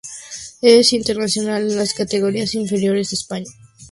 Es internacional en las categorías inferiores de España.